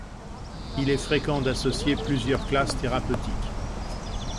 Il est fréquent d'associer plusieurs classes thérapeutiques.